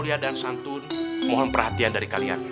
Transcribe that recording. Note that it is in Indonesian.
mulia dan santun mohon perhatian dari kalian